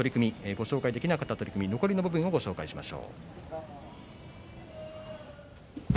ご紹介できなかった取組残りの部分をご紹介します。